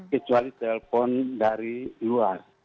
kecuali telpon dari luar